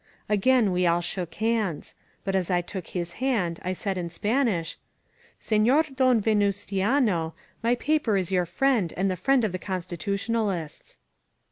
Again we all shook hands ; but as I took his hand I said in Spanish: "Sefior Don Venustiano, my paper is your friend and the friend of the Constitutionalists."